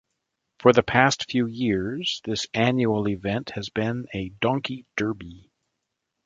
For the past few years this annual event has been a "Donkey Derby".